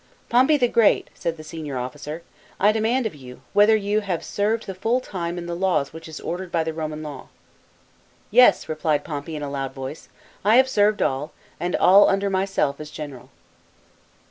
" Pompey the Great," said the senior officer, " I demand of you, whether you have served the full time in the laws which is ordered by the Roman law." " Yes," replied Pompey in a loud voice, " I have served all, and all under myself as general."